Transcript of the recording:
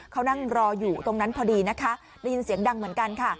เขานั่งรออยู่ตรงนั้นพอดีนะคะได้ยินเสียงดังเหมือนกันค่ะ